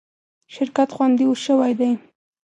شرکت خوندي شوی دی.